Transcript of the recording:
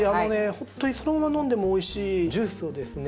本当にそのまま飲んでもおいしいジュースをですね